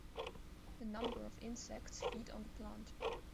A number of insects feed on the plant.